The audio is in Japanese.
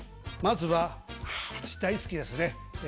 まずはあ私大好きですね。